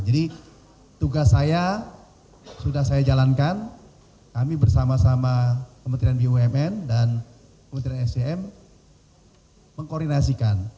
jadi tugas saya sudah saya jalankan kami bersama sama kementerian bumn dan kementerian scm mengkoordinasikan